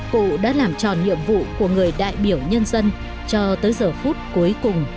cụ đã làm tròn nhiệm vụ của người đại biểu nhân dân cho tới giờ phút cuối cùng